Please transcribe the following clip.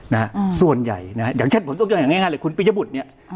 นะฮะส่วนใหญ่นะฮะอย่างเช่นผมสมัยอย่างง่ายคุณปญบุตรเนี่ย